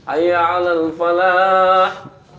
aya ala al falah